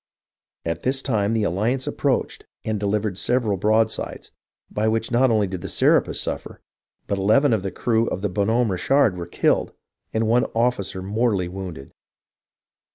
At this time the Alliance approached and delivered several broadsides, by which not only did the Serapis suffer, but eleven of the crew of the Bo7i Homme Richard were killed and one officer mortally wounded.